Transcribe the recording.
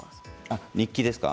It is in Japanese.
日記ですか？